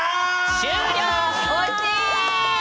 終了！